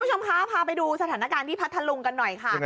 สวัสดีค่ะพาไปดูสถานการณ์ที่พัดทะลุงกันหน่อยค่ะ